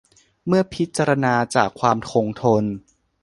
เมื่อพิจารณาจากความคงทน